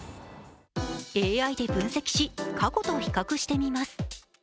ＡＩで分析し、過去と比較してみます。